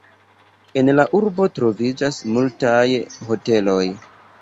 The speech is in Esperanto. En la urbo troviĝas multaj hoteloj.